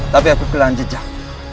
tapi aku kelahan jejak